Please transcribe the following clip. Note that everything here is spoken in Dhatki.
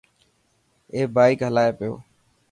اي بائڪ هلائي پيو.